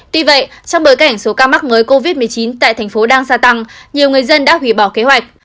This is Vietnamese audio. tuy vậy trong bối cảnh số ca mắc mới covid một mươi chín tại thành phố đang gia tăng nhiều người dân đã hủy bỏ kế hoạch